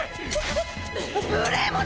無礼者！